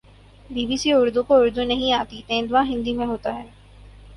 be B C Urdu کو اردو نہیں آتی تیندوا ہندی میں ہوتاہے